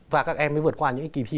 và các em mới vượt qua những kỳ thi